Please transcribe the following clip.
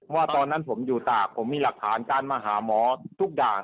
ว่าตอนนั้นผมอยู่ตากผมมีหลักฐานการมาหาหมอทุกอย่าง